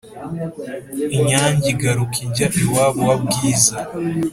Inyange iraguruka ijya iwabo wa Bwiza